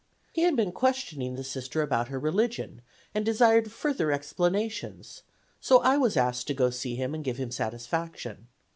He had been questioning the Sister about her religion and desired further explanations; so I was asked to go see him and give him satisfaction.